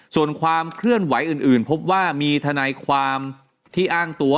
ส่วนความเคลื่อนไหวอื่นพบว่ามีทนายความที่อ้างตัว